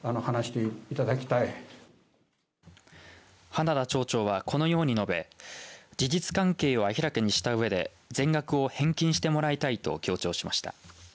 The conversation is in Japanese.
花田町長は、このように述べ事実関係を明らかにしたうえで全額を返金してもらいたいと強調しました。